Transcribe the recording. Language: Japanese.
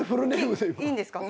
えっいいんですか？